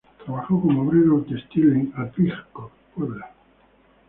Trabajó como obrero textil en Atlixco, Puebla.